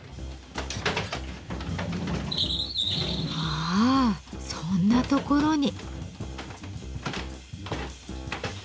あそんなところに。